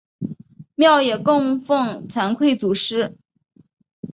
庙也供俸惭愧祖师。